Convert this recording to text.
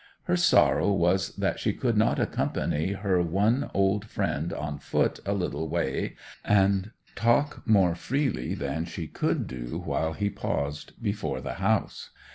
Her sorrow was that she could not accompany her one old friend on foot a little way, and talk more freely than she could do while he paused before the house.